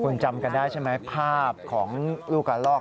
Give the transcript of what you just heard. คุณจำกันได้ใช่ไหมภาพของลูกกระลอก